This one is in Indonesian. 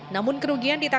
namun kerugian diterjang